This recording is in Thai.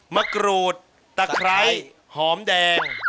มะกรูดตะไคร้หอมแดง